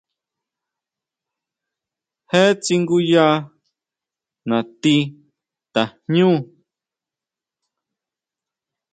Jee tsinguya natí tajñú.